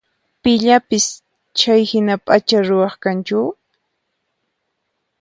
Pillapis chayhina p'acha ruwaq kanchu?